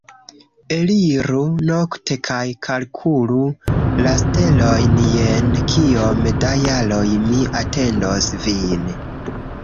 Eliru nokte kaj kalkulu la stelojn jen kiom da jaroj mi atendos vin